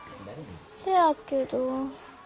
せやけど。